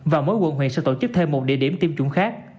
và mỗi quận huyện sẽ tổ chức thêm một địa điểm tiêm chủng khác